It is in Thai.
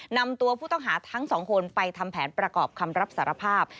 นำตัวผู้ต้องหาทั้งสองคนไปทำแผนประกอบคำรับสารภาพ